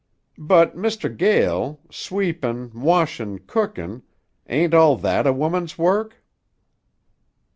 "But, Mr. Gael, sweepin', washin', cookin', ain't all that a woman's work?"